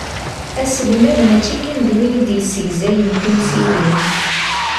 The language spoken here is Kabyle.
Aselmad mačči kan d win i d-yessegzayen timsirin.